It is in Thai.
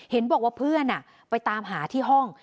เห็นบอกว่าเพื่อนไปตามหาที่ห้อง